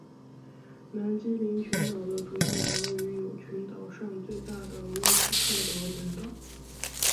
南基林群岛的主要岛屿有群岛上最大的威斯特岛等岛。